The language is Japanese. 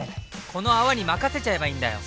この泡に任せちゃえばいいんだよ！